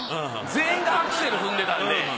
全員がアクセル踏んでたんで。